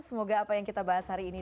semoga apa yang kita bahas hari ini